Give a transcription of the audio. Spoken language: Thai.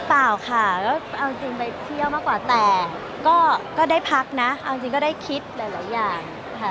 เปล่าค่ะก็เอาจริงไปเที่ยวมากกว่าแต่ก็ได้พักนะเอาจริงก็ได้คิดหลายอย่างค่ะ